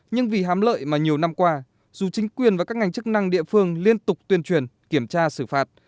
nhưng vì hám lợi mà nhiều năm qua dù chính quyền và các ngành chức năng địa phương liên tục tuyên truyền kiểm tra xử phạt